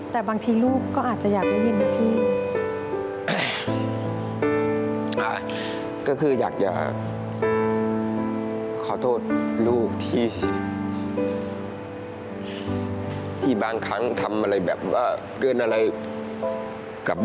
ถ้าพูดเรื่องนี้มันพูดไม่ได้พี่ค่ะ